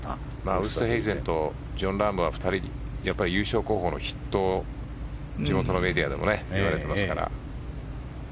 ウーストヘイゼンとジョン・ラームは優勝候補の筆頭だと地元のメディアでも言われていますから。